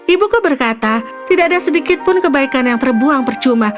ibuku berkata tidak ada sedikitpun kebaikan yang terbuang percuma